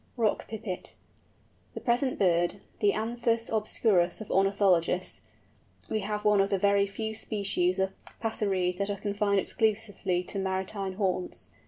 ROCK PIPIT. In the present bird, the Anthus obscurus of ornithologists, we have one of the very few species of Passeres that are confined exclusively to maritime haunts.